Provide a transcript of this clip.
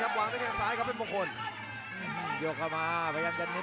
จังหวาดึงซ้ายตายังดีอยู่ครับเพชรมงคล